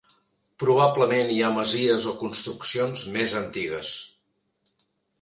Probablement hi ha masies o construccions més antigues.